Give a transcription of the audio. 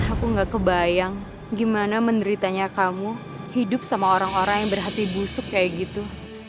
aku gak kebayang gimana menderitanya kamu hidup sama orang orang yang berhati busuk kayak gitu